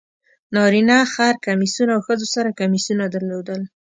نارینه خر کمیسونه او ښځو سره کمیسونه درلودل.